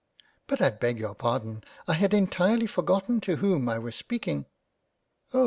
— but I beg your pardon — I had entirely forgotten to whom I was speak ing "" Oh